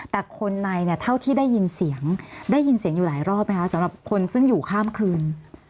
แต่คนในเนี่ยเท่าที่ได้ยินเสียงได้ยินเสียงอยู่หลายรอบไหมคะสำหรับคนซึ่งอยู่ข้ามคืน